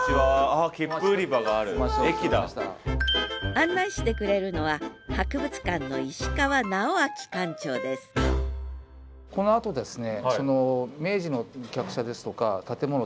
案内してくれるのは博物館のこのあとですね